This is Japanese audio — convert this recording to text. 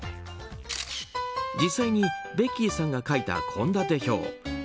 実際にベッキーさんが書いた献立表。